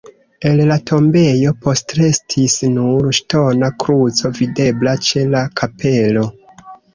El la tombejo postrestis nur ŝtona kruco videbla ĉe la kapelo.